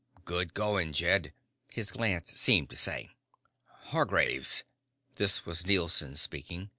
"Good going, Jed," his glance seemed to say. "Hargraves " This was Nielson speaking.